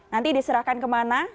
nanti diserahkan kemana